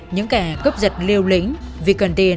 những kẻ cướp giật liều lĩnh vì cướp giật liều lĩnh